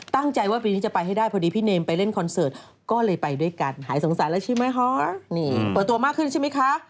ตั้งใจว่าปีนี้จะไปให้ได้พอดีพี่เนมไปเล่นคอนเสิร์ตก็เลยไปด้วยกันหายสงสัยแล้วใช่ไหมฮะนี่เปิดตัวมากขึ้นใช่ไหมคะ